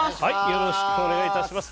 よろしくお願いします。